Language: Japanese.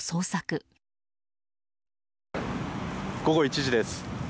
午後１時です。